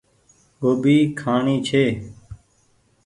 گوڀي کآڻي ڇي۔